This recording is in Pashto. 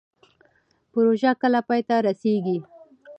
پروژه کله پای ته رسیږي؟